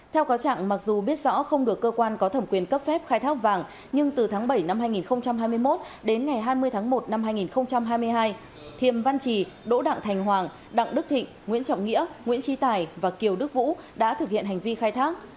theo cáo trạng mặc dù biết rõ không được cơ quan có thẩm quyền cấp phép khai thác vàng nhưng từ tháng bảy năm hai nghìn hai mươi một đến ngày hai mươi tháng một năm hai nghìn hai mươi hai thiềm văn trì đỗ đặng thành hoàng đặng đức thịnh nguyễn trọng nghĩa nguyễn trí tài và kiều đức vũ đã thực hiện hành vi khai thác